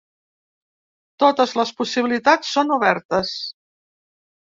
Totes les possibilitats són obertes.